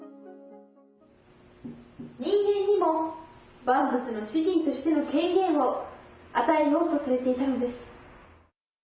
人間にも、万物の主人としての権限を与えようとされていたのです。